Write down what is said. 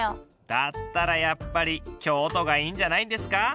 だったらやっぱり京都がいいんじゃないんですか。